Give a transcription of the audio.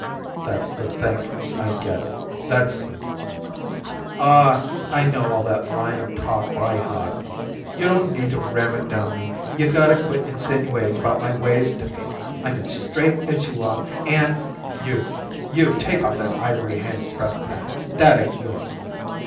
"That's the thanks I get; that's the " "Aw, I know all that line of talk by heart, so you don't need to ram it down me. You gotta quit insinuating about my ways to me. I'm as straight as you are and " "You you take off that ivory hand breast pin; that ain't yours."